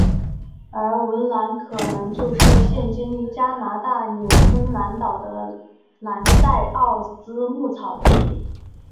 而文兰可能就是现今加拿大纽芬兰岛的兰塞奥兹牧草地。